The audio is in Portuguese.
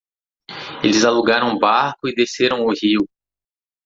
Eles alugaram um barco e desceram o rio.